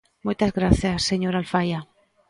Moitas grazas, señor Alfaia.